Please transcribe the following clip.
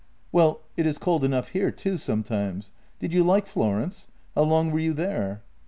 " Well, it is cold enough here too sometimes. Did you like Florence? How long were you there?